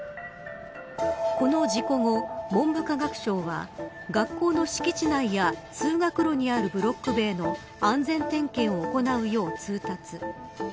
この事故後、文部科学省は学校の敷地内や通学路にあるブロック塀の安全点検を行うよう通達。